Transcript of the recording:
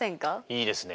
いいですね。